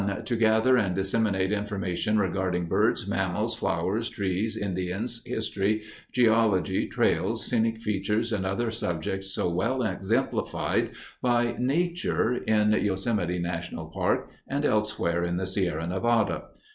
To gather and disseminate information regarding birds, mammals, flowers, trees, Indians, history, geology, trails, scenic features, and other subjects so well exemplified by Nature in Yosemite National Park and elsewhere in the Sierra Nevada.